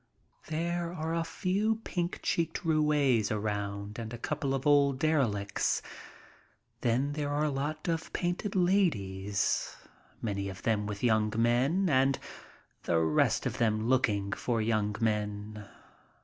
There are a few pink cheeked roues around and a couple of old derelicts. Then there are a lot of painted ladies, many of them with young men and the rest of them looking for young men.